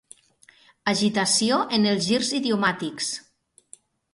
Agitació en els girs idiomàtics.